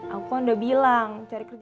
aku kan udah bilang